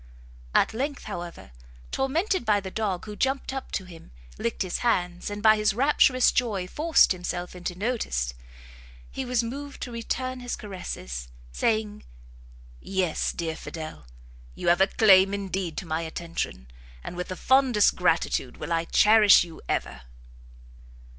At length, however, tormented by the dog, who jumpt up to him, licked his hands, and by his rapturous joy forced himself into notice, he was moved to return his caresses, saying, "Yes, dear Fidel! you have a claim indeed to my attention, and with the fondest gratitude will I cherish you ever!"